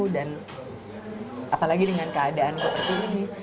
dan apalagi dengan keadaanku seperti ini